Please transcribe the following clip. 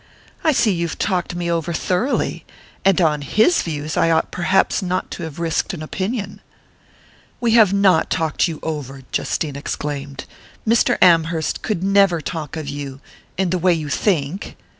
"I see you've talked me over thoroughly and on his views I ought perhaps not to have risked an opinion " "We have not talked you over," Justine exclaimed. "Mr. Amherst could never talk of you...in the way you think...."